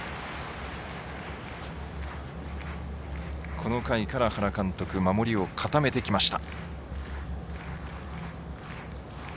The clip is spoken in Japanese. この回から原監督は守りを固めてきました。